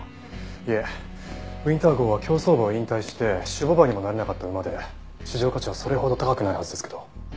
いえウィンター号は競走馬を引退して種牡馬にもなれなかった馬で市場価値はそれほど高くないはずですけど。